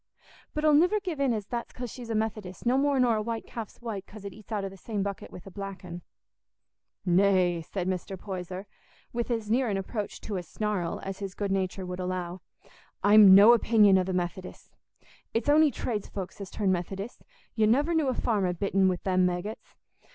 But I'll niver give in as that's 'cause she's a Methodist, no more nor a white calf's white 'cause it eats out o' the same bucket wi' a black un." "Nay," said Mr. Poyser, with as near an approach to a snarl as his good nature would allow; "I'm no opinion o' the Methodists. It's on'y tradesfolks as turn Methodists; you nuver knew a farmer bitten wi' them maggots.